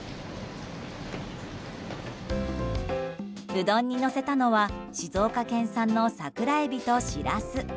うどんにのせたのは静岡県産の桜エビとシラス。